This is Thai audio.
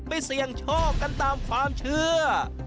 เสี่ยงโชคกันตามความเชื่อ